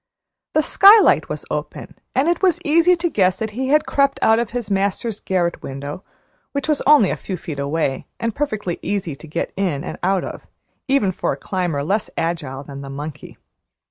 The skylight was open, and it was easy to guess that he had crept out of his master's garret window, which was only a few feet away and perfectly easy to get in and out of, even for a climber less agile than a monkey.